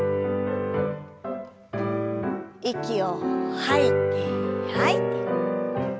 息を吐いて吐いて。